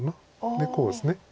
でこうです。